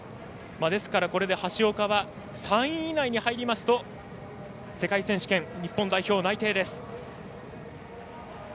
これで橋岡は３位以内に入りますと世界選手権、日本代表内定です。